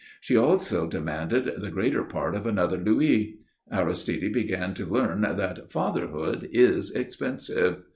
She also demanded the greater part of another louis. Aristide began to learn that fatherhood is expensive.